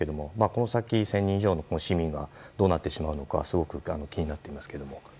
この先、１０００人以上の市民がどうなってしまうのかすごく気になっていますけど。